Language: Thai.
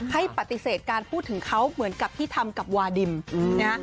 ให้ปฏิเสธการพูดถึงเขาเหมือนกับที่ทำกับวาดิมนะฮะ